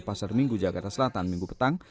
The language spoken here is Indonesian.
pasar minggu jakarta selatan minggu petang